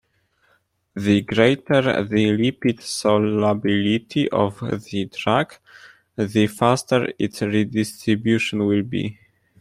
The greater the lipid solubility of the drug, the faster its redistribution will be.